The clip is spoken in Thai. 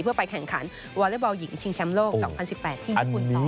เพื่อไปแข่งขันวอเล็กบอลหญิงชิงแชมป์โลก๒๐๑๘ที่ญี่ปุ่นต่อ